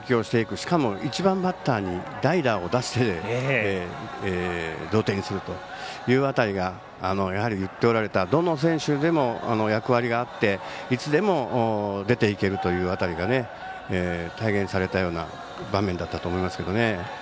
しかも１番バッターに代打を出して、同点にするという辺りがやはり言っておられたどの選手にも役割があっていつでも出ていけるという辺りが体現されたような場面だったと思いますね。